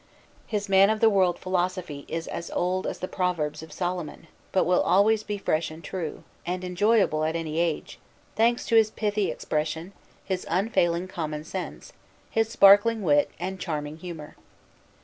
His man of the world philosophy is as old as the Proverbs of Solomon, but will always be fresh and true, and enjoyable at any age, thanks to his pithy expression, his unfailing common sense, his sparkling wit and charming humor.